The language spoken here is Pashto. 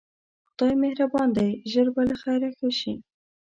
خدای مهربان دی ژر به له خیره ښه شې.